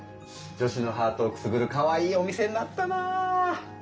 女子のハートをくすぐるかわいいお店になったなぁ。